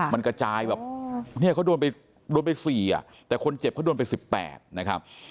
มันกระจายแบบเขาโดนไป๔แต่คนเจ็บเขาโดนไป๑๘